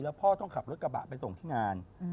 พ่อต้องขับรถกระบะไปส่งที่งาน